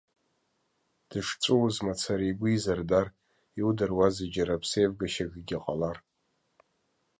Дышҵәыуоз мацара игәы изырдар, иудыруазеи џьара ԥсеивгашьакгьы ҟалар.